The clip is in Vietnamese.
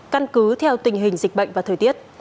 căn cứ theo tình hình dịch bệnh và thời tiết